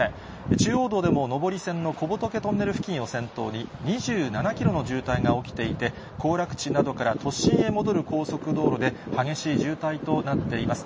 中央道でも上り線の小仏トンネル付近を先頭に、２７キロの渋滞が起きていて、行楽地などから都心へ戻る高速道路で、激しい渋滞となっています。